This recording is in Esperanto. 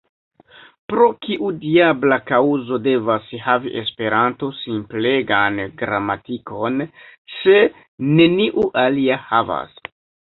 Pro kiu diabla kaŭzo devas havi Esperanto simplegan gramatikon, se neniu alia havas?